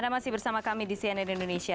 anda masih bersama kami di cnn indonesia